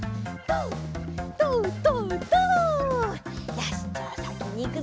よしじゃあさきにいくぞ！